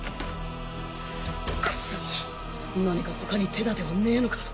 クソッ何か他に手だてはねえのか。